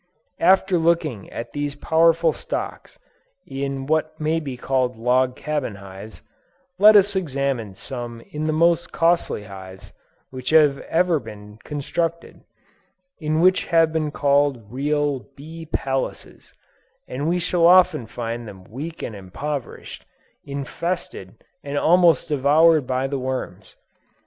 After looking at these powerful stocks in what may be called log cabin hives, let us examine some in the most costly hives, which have ever been constructed; in what have been called real "Bee Palaces;" and we shall often find them weak and impoverished, infested and almost devoured by the worms.